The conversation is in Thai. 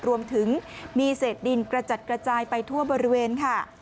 รวมถึงมีเศษดินกระจัดกระจายไปทั่วบริเวณค่ะ